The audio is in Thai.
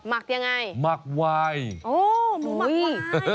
ักยังไงหมักวายโอ้หมูหวาย